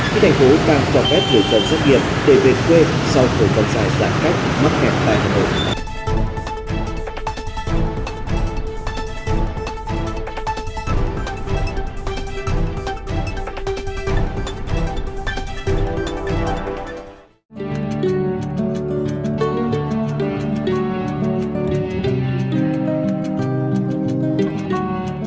các thành phố đang trọng kết lựa chọn xét nghiệm về về quê sau tổ chức dạng cách mất hẹp tại hà nội